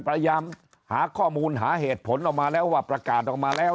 พยายามหาข้อมูลหาเหตุผลออกมาแล้วว่าประกาศออกมาแล้ว